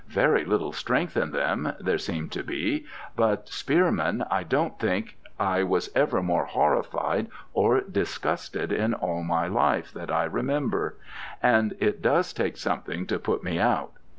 Very little strength in them, there seemed to be, but Spearman, I don't think I was ever more horrified or disgusted in all my life, that I remember: and it does take something to put me out.